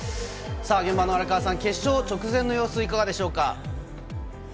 現場の荒川さん、決勝直前の様子いかがでしょうか？